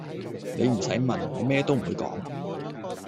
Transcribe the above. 你唔洗問，我咩都唔會講